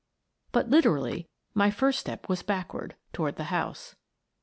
But literally, my first step was backward — toward the house.